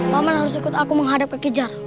paman harus ikut aku menghadap kekijar